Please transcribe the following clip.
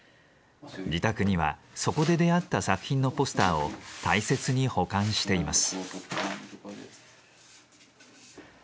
自宅にはそこで出会った作品のポスターを大切に保管しています。